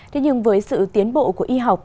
thế nhưng với sự tiến bộ của y học